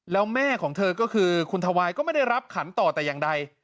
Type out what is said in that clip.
แล้วแม่ของเธอก็คือคุณทวายก็ไม่ได้รับขันต่อแต่อย่างใด